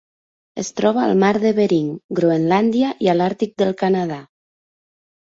Es troba al Mar de Bering, Groenlàndia i l'Àrtic del Canadà.